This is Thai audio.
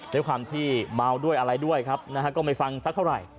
ด้วยความที่เมาด้วยอะไรด้วยครับนะฮะก็ไม่ฟังสักเท่าไหร่